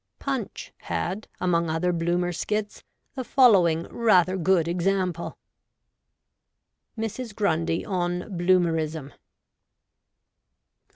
Punch had, among other Bloomer skits, the following rather good example :— MRS. GRUNDY ON BLOOMERISM.